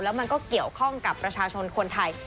แล้วมันก็เกี่ยวข้องกับประชาชนคนไทย